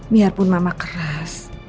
biarpun mama keras